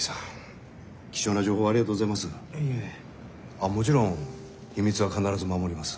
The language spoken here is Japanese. あっもちろん秘密は必ず守ります。